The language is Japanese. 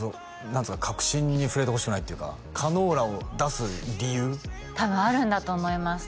何ていうか核心に触れてほしくないっていうかカノーラを出す理由多分あるんだと思います